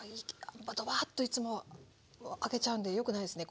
ドバッといつも空けちゃうんでよくないですね